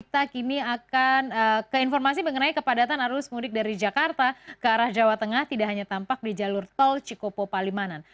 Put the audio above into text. kita kini akan ke informasi mengenai kepadatan arus mudik dari jakarta ke arah jawa tengah tidak hanya tampak di jalur tol cikopo palimanan